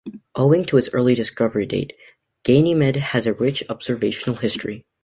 Owing to its early discovery date, Ganymed has a rich observational history.